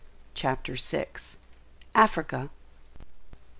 CHAPTER VI. AFRICA.